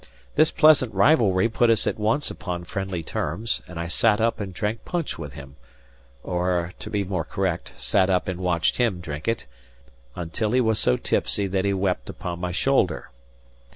This pleasant rivalry put us at once upon friendly terms; and I sat up and drank punch with him (or to be more correct, sat up and watched him drink it), until he was so tipsy that he wept upon my shoulder.